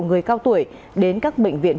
người cao tuổi đến các bệnh viện